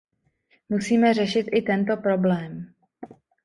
Musíme řešit i tento problém.